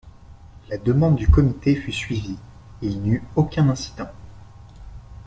La demande du Comité fut suivie, il n’y eut aucun incident.